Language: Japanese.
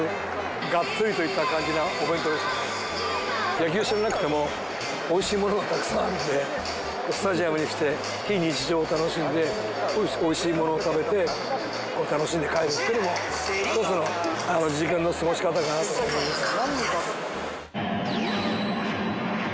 野球を知らなくても美味しいものがたくさんあるのでスタジアムに来て非日常を楽しんで美味しいものを食べて楽しんで帰るっていうのも一つの時間の過ごし方かなと思いますね。